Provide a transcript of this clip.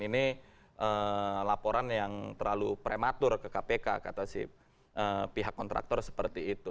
ini laporan yang terlalu prematur ke kpk kata si pihak kontraktor seperti itu